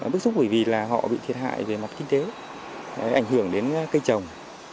bức xúc bởi vì là họ bị thiệt hại về mặt kinh tế ảnh hưởng đến cây trồng